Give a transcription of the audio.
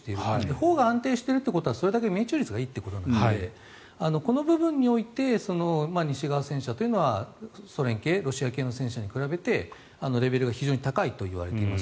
砲が安定しているということはそれだけ命中率がいいということなのでこの部分において西側戦車というのはソ連系、ロシア系の戦車に比べてレベルが非常に高いといわれています。